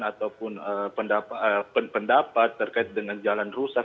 ataupun pendapat terkait dengan jalan rusak